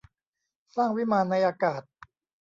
สร้างวิมานในอากาศ